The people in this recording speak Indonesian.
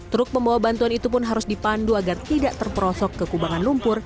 truk pembawa bantuan itu pun harus dipandu agar tidak terperosok ke kubangan lumpur